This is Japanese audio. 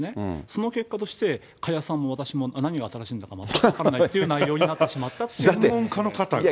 その結果として、加谷さんも私も何が新しいんだか全く分からないという内容になっ専門家の方が。